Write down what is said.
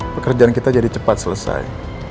pekerjaan kita jadi cepat selesai